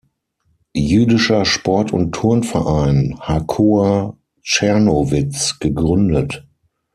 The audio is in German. Jüdischer Sport- und Turn-Verein Hakoah Czernowitz" gegründet.